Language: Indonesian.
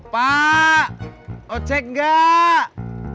pak ocek nggak